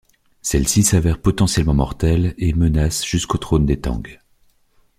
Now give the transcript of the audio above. Celles-ci s'avèrent potentiellement mortelles et menacent jusqu'au trône des Tang.